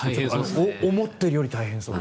思っているより大変そう。